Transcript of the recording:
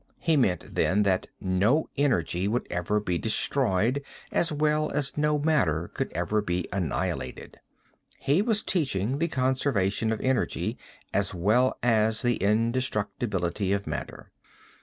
He meant then, that no energy would ever be destroyed as well as no matter would ever be annihilated. He was teaching the conservation of energy as well as the indestructibility of matter.